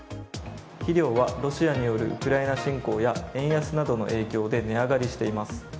肥料はロシアによるウクライナ侵攻や円安などの影響で値上がりしています。